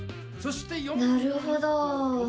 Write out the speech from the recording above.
なるほど！